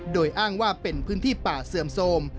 โดยอ้างว่าเป็นพื้นที่ป่าเสื่อมโทรม